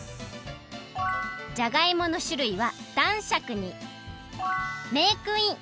じゃがいものしゅるいはだんしゃくにメークイン！